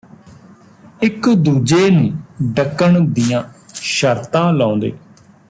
ਇਕ ਦੂਜੇ ਨੂੰ ਡੱਕਣ ਦੀਆਂ ਸ਼ਰਤਾਂ ਲਾਉਂਦੇ